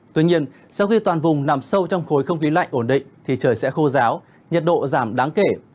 tuy nhiên sau khi toàn vùng nằm sâu trong khối không khí lạnh ổn định thì trời sẽ khô ráo nhiệt độ giảm đáng kể